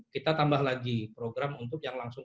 kita tambah lagi program untuk yang langsung